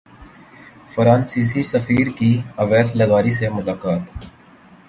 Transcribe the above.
فرانسیسی سفیر کی اویس لغاری سے ملاقات